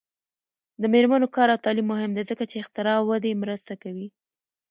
د میرمنو کار او تعلیم مهم دی ځکه چې اختراع ودې مرسته کوي.